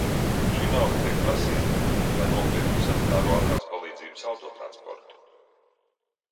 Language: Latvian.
Šī nauda tiek prasīta, lai nopirktu sanitāro ātrās palīdzības autotransportu.